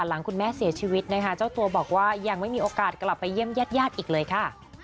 หลังคุณแม่เสียชีวิตนะคะเจ้าตัวบอกว่ายังไม่มีโอกาสกลับไปเยี่ยมญาติญาติอีกเลยค่ะ